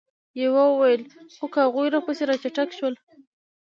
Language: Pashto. يوه وويل: خو که هغوی راپسې را چټک شول؟